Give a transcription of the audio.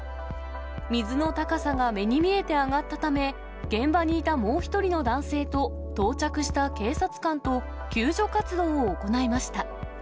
水の高さが目に見えて上がったため、現場にいたもう１人の男性と、到着した警察官と救助活動を行いました。